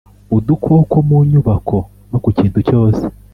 Udukoko mu nyubako no ku kintu cyose